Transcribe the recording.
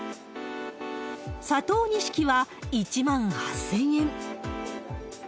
佐藤錦は１万８０００円。